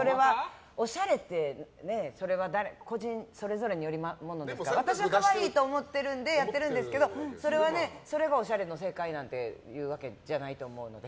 おしゃれって、それは個人それぞれのものですから私は可愛いと思ってるのでやってるんですけどそれはね、おしゃれの正解ってことじゃないと思うので。